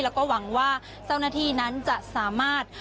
แล้วก็หวังว่าเจ้าหน้าที่นั้นจะสามารถ